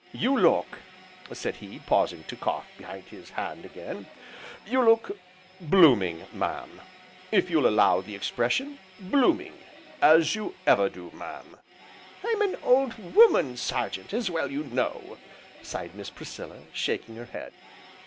"You look," said he, pausing to cough behind his hand again, "you look blooming, mam, if you'll allow the expression, blooming, as you ever do, mam." "I'm an old woman, Sergeant, as well you know!" sighed Miss Priscilla, shaking her head.